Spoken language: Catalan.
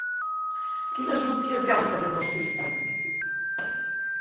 Quines botigues hi ha al carrer del Cister?